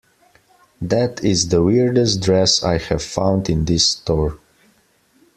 That is the weirdest dress I have found in this store.